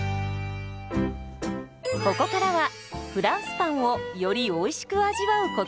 ここからはフランスパンをよりおいしく味わうコツです。